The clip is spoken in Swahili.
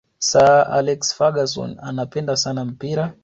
sir alex ferguson anapenda sana mpira